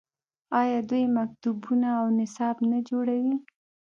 آیا دوی مکتبونه او نصاب نه جوړوي؟